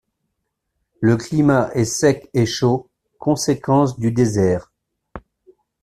Le climat est sec et chaud, conséquence du désert.